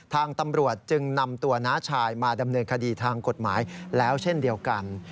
ทางตำรวจจึงนำตัวน้าชายมาดำเนินคดีทางกฎหมายแล้วเช่นเดียวกัน